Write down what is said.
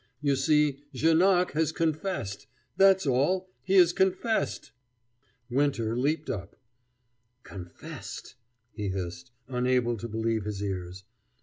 You see, Janoc has confessed that's all: he has confessed!" Winter leaped up. "Confessed!" he hissed, unable to believe his ears.